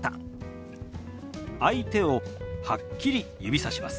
相手をはっきり指さします。